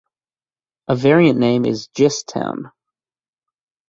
A variant name is "Gist Town".